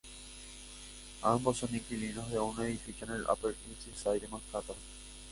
Ambos son inquilinos de un edificio en el Upper East Side de Manhattan.